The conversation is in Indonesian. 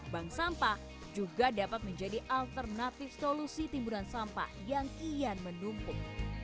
bank sampah juga dapat menjadi alternatif solusi timbunan sampah yang kian menumpuk